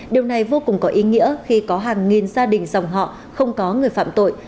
điều này vô cùng có ý nghĩa khi có hàng nghìn gia đình dòng họ không có người phạm tội